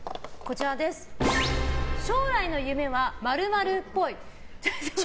将来の夢は○○っぽい。